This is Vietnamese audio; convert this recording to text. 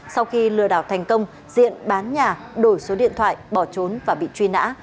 sau khi lừa đảo thành công diện bán nhà đổi số điện thoại bỏ trốn và bị truy nã